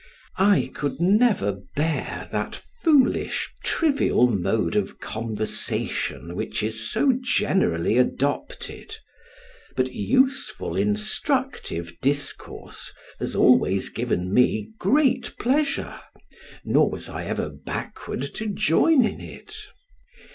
I could never bear that foolish trivial mode of conversation which is so generally adopted; but useful instructive discourse has always given me great pleasure, nor was I ever backward to join in it.